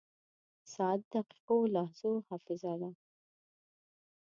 • ساعت د دقیقو لحظو حافظه ده.